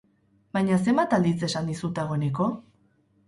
Baina zenbat aldiz esan dizut dagoeneko?